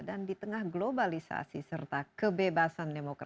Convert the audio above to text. dan di tengah globalisasi serta kebebasan demokrasi